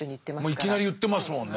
もういきなり言ってますもんね。